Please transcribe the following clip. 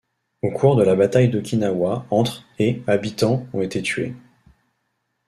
Au cours de la bataille d'Okinawa entre et habitants ont été tués.